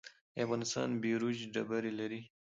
آیا افغانستان بیروج ډبرې لري؟